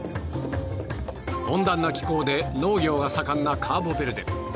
温暖な気候で農業が盛んなカーボベルデ。